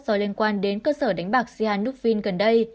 do liên quan đến cơ sở đánh bạc dianockvin gần đây